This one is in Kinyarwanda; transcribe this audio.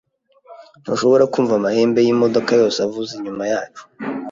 Ntushobora kumva amahembe yimodoka yose avuza inyuma yacu?